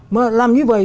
mà làm như vậy